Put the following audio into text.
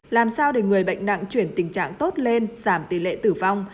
làm sao để người bệnh nặng chuyển tình trạng tốt lên giảm tỷ lệ tử vong